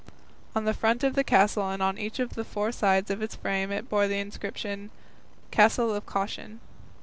On the front of the castle and on each of the four sides of its frame it bore the inscription "Castle of Caution."